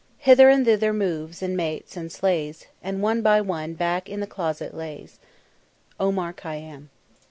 . Hither and thither moves, and mates, and slays, And one by one back in the Closet lays_." OMAR KHAYYAM.